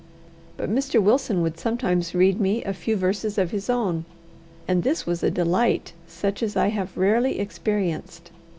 But Mr. Wilson would sometimes read me a few verses of his own; and this was a delight such as I have rarely experienced.